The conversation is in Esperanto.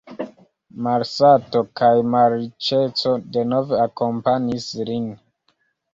Malsato kaj malriĉeco denove akompanis lin.